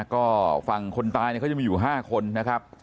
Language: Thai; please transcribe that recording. ก็ฝั่งคนตายเนี่ยเขาจะมีอยู่๕คนนะครับ